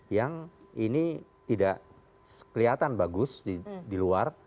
yang ini tidak kelihatan bagus di luar